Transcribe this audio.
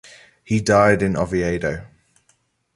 He died in Oviedo.